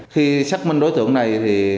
khi xác minh đối tượng này